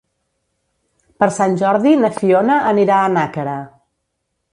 Per Sant Jordi na Fiona anirà a Nàquera.